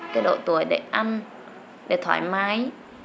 cái độ tuổi để ăn để thoải mái